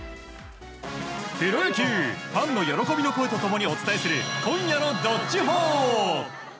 プロ野球、ファンの喜びの声と共にお伝えする今夜の「＃どっちほー」。